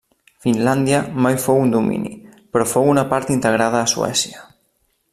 Finlàndia mai fou un domini, però fou una part integrada a Suècia.